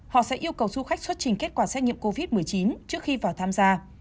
họ sẽ yêu cầu du khách xuất trình kết quả xét nghiệm covid một mươi chín trước khi vào tham gia